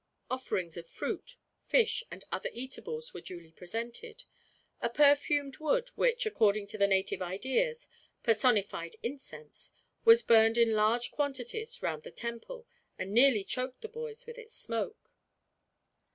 Offerings of fruit, fish, and other eatables were duly presented. A perfumed wood which, according to the native ideas, personified incense, was burned in large quantities round the temple, and nearly choked the boys with its smoke.